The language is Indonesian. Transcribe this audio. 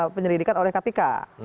penyelidikan oleh kpk